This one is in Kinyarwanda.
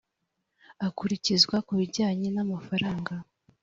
akurikizwa ku bijyanye n amafaranga